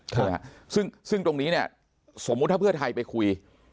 ใช่ไหมครับซึ่งตรงนี้สมมุติถ้าเพื่อไทยไปคุย